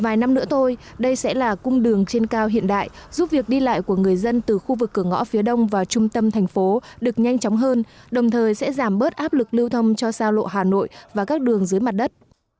vài năm nữa tôi đây sẽ là cung đường trên cao hiện đại giúp việc đi lại của người dân từ khu vực cửa ngõ phía đông vào trung tâm thành phố được nhanh chóng hơn đồng thời sẽ giảm bớt áp lực lưu thông cho sao lộ hà nội và các đường dưới mặt đất